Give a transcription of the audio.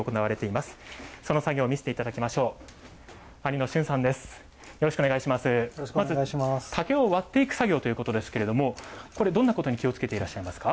まず竹を割っていく作業ということですけれども、これ、どんなことに気をつけていらっしゃいますか？